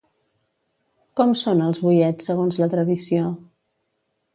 Com són els boiets segons la tradició?